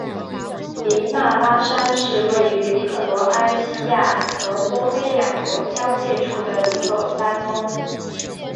迪纳拉山是位于克罗埃西亚和波黑两国交界处的一座山峰。